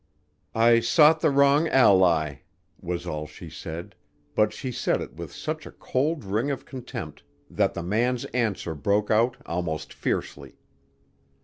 "I sought the wrong ally," was all she said, but she said it with such a cold ring of contempt that the man's answer broke out almost fiercely.